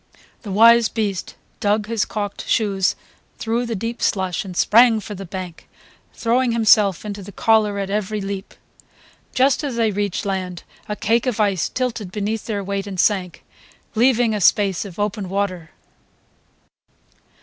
The wise beast dug his calked shoes through the deep slush and sprang for the bank, throwing himself into the collar at every leap. Just as they reached land a cake of ice tilted beneath their weight and sank, leaving a space of open water.